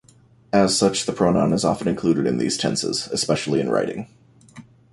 As such, the pronoun is often included in these tenses, especially in writing.